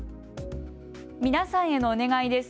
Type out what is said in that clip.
皆さんへのお願いです。